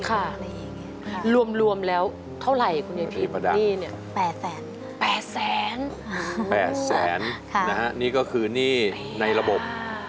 ค่ะรวมแล้วเท่าไหร่คุณหญิงพี่นี่เนี่ยแปดแสนแปดแสนนี่ก็คือหนี้ในระบบ